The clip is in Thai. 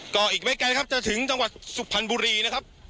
ก็อีกไม่ไกลครับจะถึงจังหวัดสุพรรณบุรีนะครับ